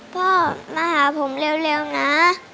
พ่อมาหาผมเร็วนะ